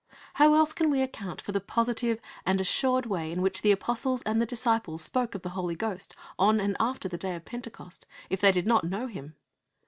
How else can we account for the positive and assured way in which the Apostles and disciples spoke of the Holy Ghost on and after the day of Pentecost, if they did not know Him?